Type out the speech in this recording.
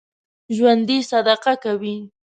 ژوندي صدقه کوي